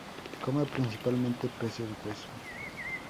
Come principalmente peces hueso.